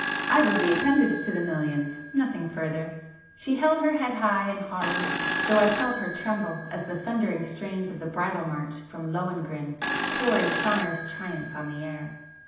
I was the appendage to the millions—nothing further. She held her head high and haughtily, though I felt her tremble as the thundering strains of the [p 297] 'Bridal March' from Lohengrin poured sonorous triumph on the air.